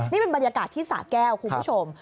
นี่เป็นบรรยากาศที่สะแก้วคุณผู้ชม